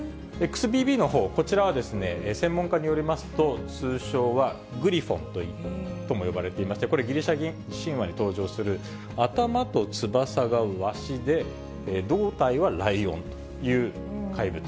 ＸＢＢのほう、こちらは専門家によりますと、通称はグリフォンとも呼ばれていまして、これ、ギリシャ神話に登場する、頭と翼がワシで胴体はライオンという怪物。